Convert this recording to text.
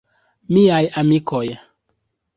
Miaj amikoj.